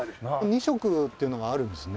２色っていうのがあるんですね。